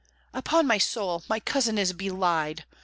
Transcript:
"Upon my soul, my cousin is belied!"